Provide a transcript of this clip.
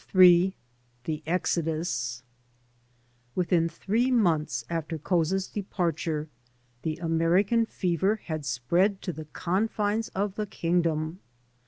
w m THE EXODUS WITHIN three months after Couza's departure the America fever had spread to the confines of the kingdom.